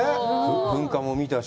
噴火も見たし。